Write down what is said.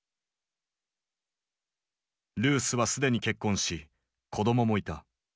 ルースは既に結婚し子供もいた。